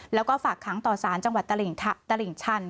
แล้วก็ฝากขังต่อสารจังหวัดตลิ่งชัน